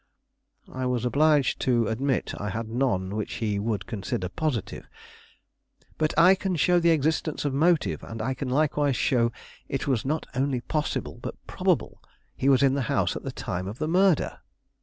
I was obliged to admit I had none which he would consider positive. "But I can show the existence of motive; and I can likewise show it was not only possible, but probable, he was in the house at the time of the murder."